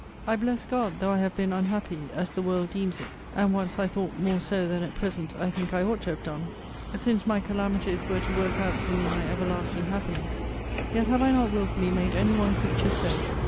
I bless God, though I have been unhappy, as the world deems it, and once I thought more so than at present I think I ought to have done, since my calamities were to work out for me my everlasting happiness; yet have I not wilfully made any one creature so.